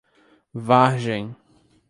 Vargem